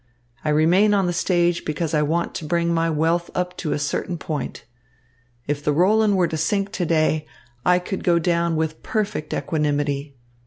I remain on the stage because I want to bring my wealth up to a certain point. If the Roland were to sink to day, I could go down with perfect equanimity.